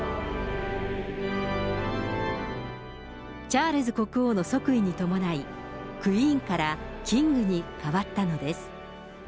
チャールズ国王の即位に伴い、クイーンからキングに変わったのです。